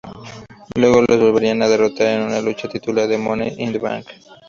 Luego, les volvieron a derrotar en una lucha titular en Money in the Bank.